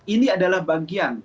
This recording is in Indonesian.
ini adalah bagian